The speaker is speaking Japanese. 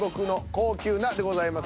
「高級な」でございます。